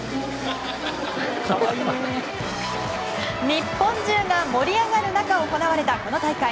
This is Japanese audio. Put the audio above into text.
日本中が盛り上がる中行われたこの大会。